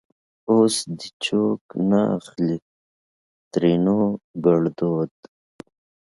اوس دې چوک نه اخليں؛ ترينو ګړدود